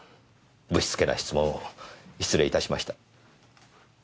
ぶしつけな質問を失礼いたしました。